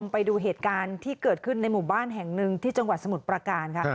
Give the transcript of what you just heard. ไปดูเหตุการณ์ที่เกิดขึ้นในหมู่บ้านแห่งหนึ่งที่จังหวัดสมุทรประการค่ะ